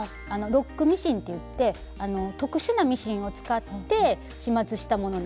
「ロックミシン」といって特殊なミシンを使って始末したものなんですけども。